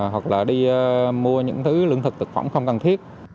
hoặc là đi mua những thứ lương thực thực phẩm không cần thiết